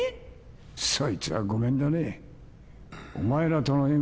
そいつはごめんだね。